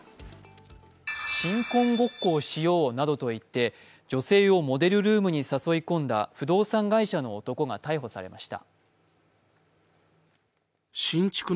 新婚ごっこをしようなどと言って女性をモデルルームに誘い込んだ不動産会社の男が逮捕されました。